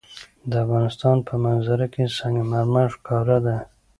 د افغانستان په منظره کې سنگ مرمر ښکاره ده.